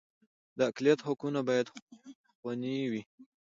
د اقلیت حقونه باید خوندي وي